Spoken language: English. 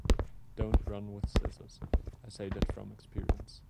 Don't run with scissors, I say that from experience.